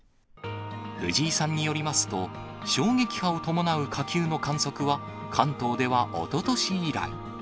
藤井さんによりますと、衝撃波を伴う火球の観測は、関東ではおととし以来。